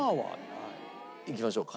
いきましょうか。